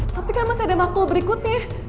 tapi kan masih ada makhluk berikutnya